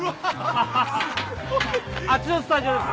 あっちのスタジオです。